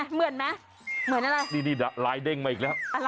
เหมือนอะไรนี่ลายเด้งมาอีกแล้ว